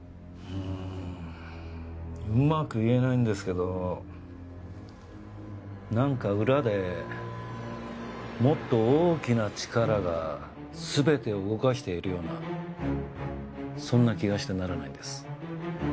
うんうまく言えないんですけどなんか裏でもっと大きな力がすべてを動かしているようなそんな気がしてならないんです。